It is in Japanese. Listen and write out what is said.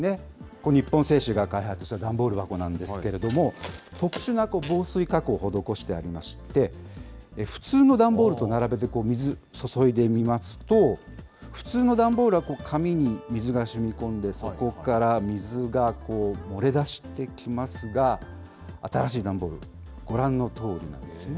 これ、日本製紙が開発した段ボール箱なんですけれども、特殊な防水加工を施してありまして、普通の段ボールと並べて水、注いでみますと、普通の段ボールは紙に水がしみこんで、底から水がこう、漏れ出してきますが、新しい段ボール、ご覧のとおりなんですね。